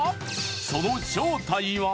その正体は！？